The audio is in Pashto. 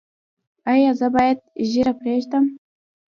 ایا زه باید ږیره پریږدم؟